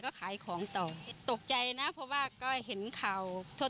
ก็ขายของต่อตกใจนะเพราะว่าก็เห็นข่าวโทษ